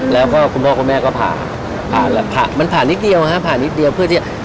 แล้วก็คุณพ่อคุณแม่ก็ผ่าผ่านมันผ่านนิดเดียวฮะผ่านิดเดียวเพื่อที่